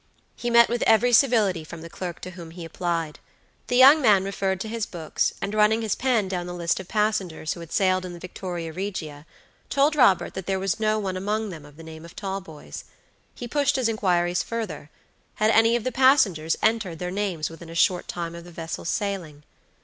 He met with every civility from the clerk to whom he applied. The young man referred to his books, and running his pen down the list of passengers who had sailed in the Victoria Regia, told Robert that there was no one among them of the name of Talboys. He pushed his inquiries further. Had any of the passengers entered their names within a short time of the vessel's sailing?